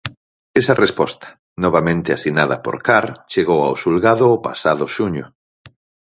Esa resposta, novamente asinada por Carr, chegou ao xulgado o pasado xuño.